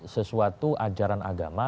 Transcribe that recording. sesuatu ajaran agama